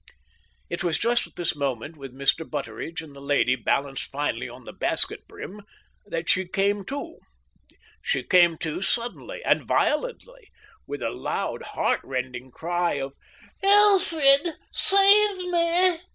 It was just at this moment, with Mr. Butteridge and the lady balanced finely on the basket brim, that she came to. She came to suddenly and violently with a loud, heart rending cry of "Alfred! Save me!"